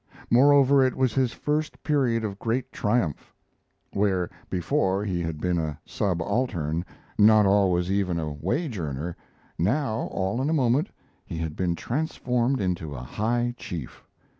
Moreover, it was his first period of great triumph. Where before he had been a subaltern not always even a wage earner now all in a moment he had been transformed into a high chief.